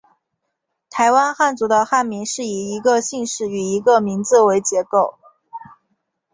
台湾汉族的汉名是以一个姓氏与一个名字为结构。